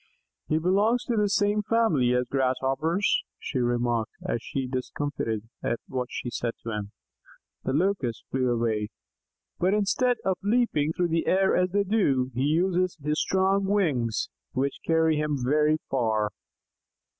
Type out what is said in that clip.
"He belongs to the same family as the Grasshoppers," she remarked, as, much discomfited at what she said to him, the Locust flew away. "But instead of leaping through the air as they do, he uses his strong wings, which carry him very far."